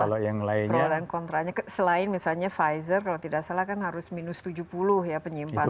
ada yang kontra selain misalnya pfizer kalau tidak salah kan harus minus tujuh puluh ya penyimpanannya